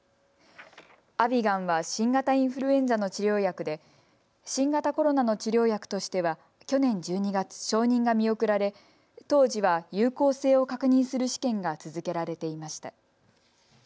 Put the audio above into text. アビガンは新型インフルエンザの治療薬で新型コロナの治療薬としては去年１２月、承認が見送られ当時は有効性を確認する試験が続けられていました。